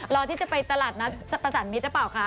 รอที่จะไปตลาดนัดประสานมิตรหรือเปล่าคะ